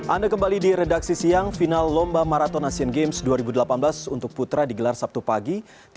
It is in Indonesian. anda kembali di redaksi siang final lomba maraton asian games dua ribu delapan belas untuk putra digelar sabtu pagi